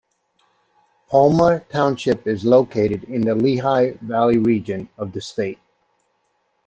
Palmer Township is located in the Lehigh Valley region of the state.